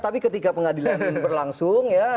tapi ketika pengadilan ini berlangsung ya